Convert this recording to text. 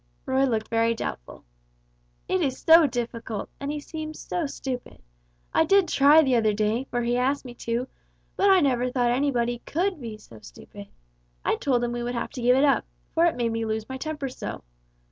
Roy looked very doubtful. "It is so difficult, and he seems so stupid. I did try the other day, for he asked me to; but I never thought any body could be so stupid! I told him we would have to give it up, for it made me lose my temper so.